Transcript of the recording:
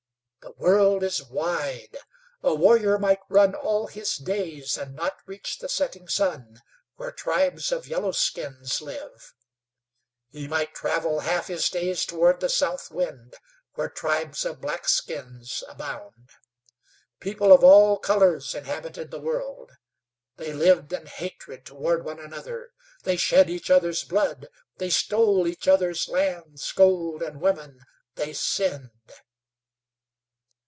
The world is wide. A warrior might run all his days and not reach the setting sun, where tribes of yellow skins live. He might travel half his days toward the south wind, where tribes of black skins abound. People of all colors inhabited the world. They lived in hatred toward one another. They shed each other's blood; they stole each other's lands, gold, and women. They sinned.